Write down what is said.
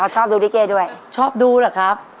ชอบดูลิเกด้วยชอบดูเหรอครับ